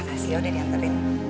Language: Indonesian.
makasih ya udah diantarin